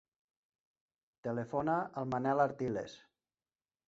Telefona al Manel Artiles.